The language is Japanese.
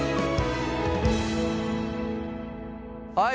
はい。